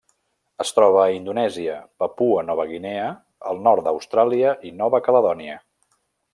Es troba a Indonèsia, Papua Nova Guinea, el nord d'Austràlia i Nova Caledònia.